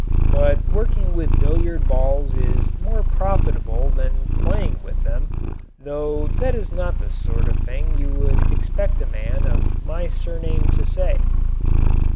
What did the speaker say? But working with billiard balls is more profitable than playing with them though that is not the sort of thing you would expect a man of my surname to say.